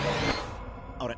あれ？